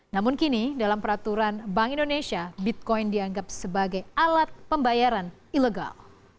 namun kini dalam peraturan bank indonesia bitcoin dianggap sebagai alat pembayaran ilegal